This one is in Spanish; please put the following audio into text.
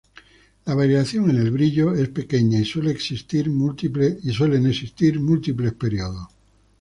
La variación en el brillo es pequeña y suelen existir múltiples períodos.